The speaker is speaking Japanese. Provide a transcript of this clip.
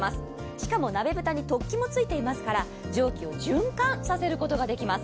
しかも鍋蓋に突起もついていますから、蒸気を循環させることができます。